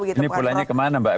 ini pulangnya ke mana mbak